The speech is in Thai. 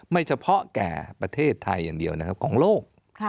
ไม่เฉพาะแก่ประเทศไทยอย่างเดียวนะครับของโลก